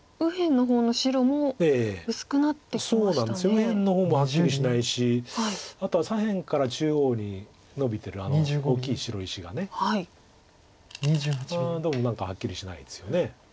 右辺の方もはっきりしないしあとは左辺から中央にノビてる大きい白石がどうも何かはっきりしないですよね。